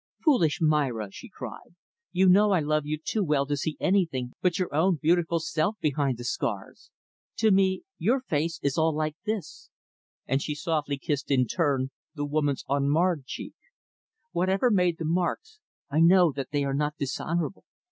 "Foolish Myra," she cried, "you know I love you too well to see anything but your own beautiful self behind the scars. To me, your face is all like this" and she softly kissed, in turn, the woman's unmarred cheek. "Whatever made the marks, I know that they are not dishonorable.